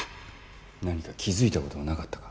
何か気付いたことはなかったか？